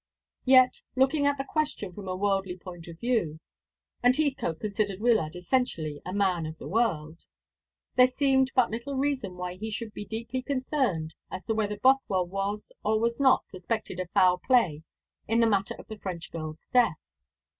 Yet, looking at the question from a worldly point of view and Heathcote considered Wyllard essentially a man of the world there seemed but little reason why he should be deeply concerned as to whether Bothwell was or was not suspected of foul play in the matter of the French girl's death.